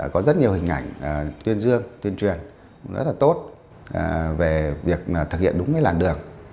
có rất nhiều hình ảnh tuyên dương tuyên truyền rất là tốt về việc thực hiện đúng cái làn đường